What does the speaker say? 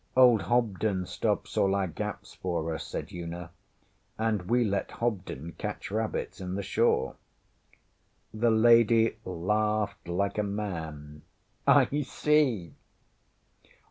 Old Hobden stops all our gaps for us, ŌĆÖ said Una, ŌĆśand we let Hobden catch rabbits in the Shaw.ŌĆÖ The lady laughed like a man. ŌĆśI see!